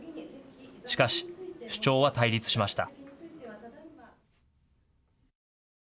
しかし、主張は対立しました。